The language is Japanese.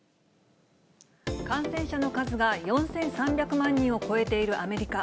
感染者の数が４３００万人を超えているアメリカ。